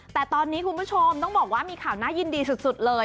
แต่ตอนนี้คุณผู้ชมต้องบอกว่ามีข่าวน่ายินดีสุดเลย